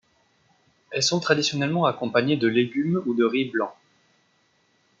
Elles sont traditionnellement accompagnées de légumes ou de riz blanc.